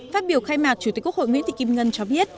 phát biểu khai mạc chủ tịch quốc hội nguyễn thị kim ngân cho biết